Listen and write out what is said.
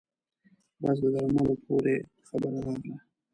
بس د درملو پورې خبره راغله.